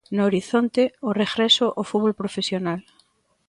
No horizonte, o regreso ao fútbol profesional.